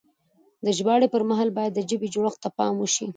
د ژباړې پر مهال بايد د ژبې جوړښت ته پام وشي.